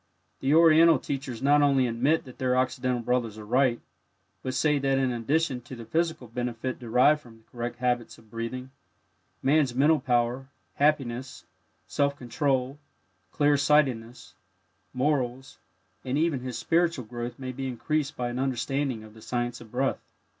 The Oriental teachers not only admit that their Occidental brothers are right, but say that in addition to the physical benefit derived from correct habits of breathing, Man's mental power, happiness, self control, clear sightedness, morals, and even his spiritual growth may be increased by an understanding of the "Science of Breath."